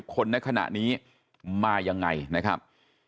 คนในขณะนี้มายังไงนะครับ